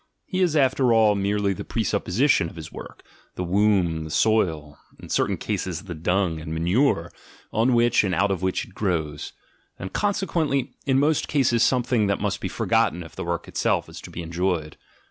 He is after all merely the presupposition of his work, the womb, the soil, in certain cases the dung and manure, on which and out of which it grows — and consequently, in most cases, something that must be forgotten if the work itself is to be enjoyed.